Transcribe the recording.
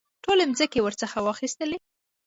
ټولې مځکې ورڅخه واخیستلې.